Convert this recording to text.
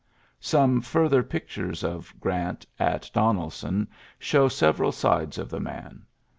Some farther pict ures of Grant at Donebon show several sides of the man.